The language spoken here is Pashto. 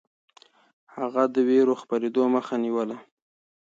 هغه د وېرو خپرېدو مخه نيوله.